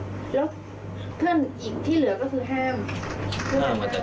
แล้วเพื่อนอีกที่เหลืองำก็คือแห้ง